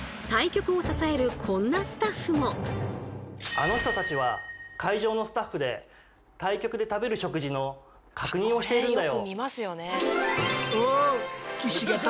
あの人たちは会場のスタッフで対局で食べる食事の確認をしているんだよ。